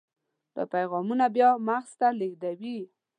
دا پیغامونه بیا مغز ته لیږدوي.